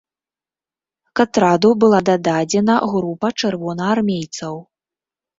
К атраду была дадзена група чырвонаармейцаў.